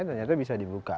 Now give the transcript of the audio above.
ternyata bisa dibuka